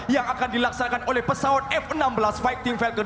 yang akan dilaksanakan oleh pesawat f enam belas fighting falcon